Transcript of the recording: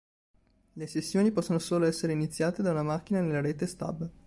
Le sessioni possono solo essere iniziate da una macchina nella rete stub.